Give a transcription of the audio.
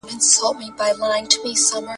زه تل ستا په یاد کې پاتې کېږم.